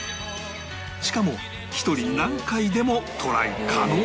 しかも１人何回でもトライ可能